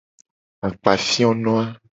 Akpafiono a.